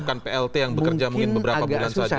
dengan disiapkan plt yang bekerja mungkin beberapa bulan saja